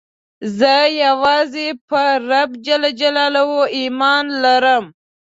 زه یوازي په رب ﷻ ایمان لرم.